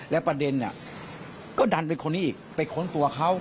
และประเด็นก็ดันเป็นคนนี้อีกไปค้นตัวเขา